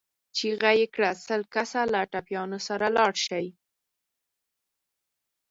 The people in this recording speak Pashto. چيغه يې کړه! سل کسه له ټپيانو سره لاړ شئ.